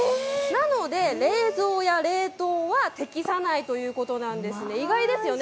なので、冷蔵や冷凍は適さないということなんですね、意外ですよね。